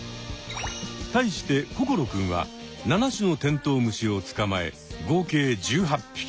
対して心くんは７種のテントウムシをつかまえ合計１８ぴき。